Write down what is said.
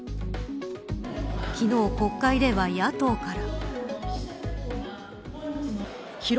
昨日、国会では野党から。